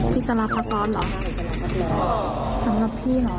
พี่สระคะพร้อมเหรอ